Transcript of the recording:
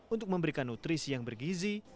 untuk memberikan nutrisi yang bergizi